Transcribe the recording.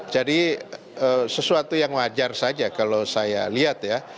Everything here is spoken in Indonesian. jadi sesuatu yang wajar saja kalau saya lihat ya